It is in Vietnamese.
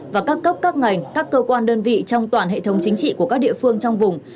và các cấp các ngành các cơ quan đơn vị trong toàn hệ thống chính trị của các địa phương trong vùng